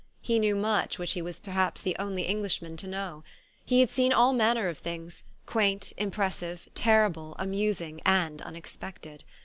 He knew much which he was perhaps the only Englishman to know. He had seen all manner of things, quaint, impres sive, terrible, amusing, and unexpected.